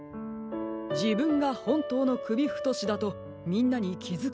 「じぶんがほんとうのくびふとしだとみんなにきづかせてほしい」。